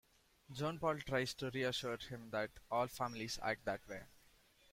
John Paul tries to reassure him that all families act that way.